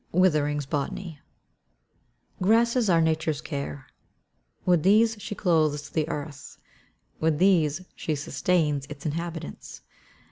Withering's Botany. Grasses are Nature's care. With these she clothes the earth; with these she sustains its inhabitants.